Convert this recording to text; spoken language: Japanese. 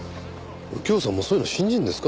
右京さんもそういうの信じるんですか？